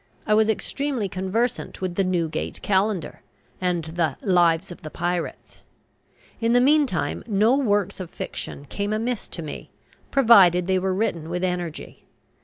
I was extremely conversant with the "Newgate Calendar" and the "Lives of the Pirates." In the meantime no works of fiction came amiss to me, provided they were written with energy.